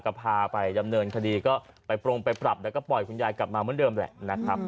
ก็พาไปดำเนินคดีก็ไปปรุงไปปรับแล้วก็ปล่อยคุณยายกลับมาเหมือนเดิมแหละนะครับ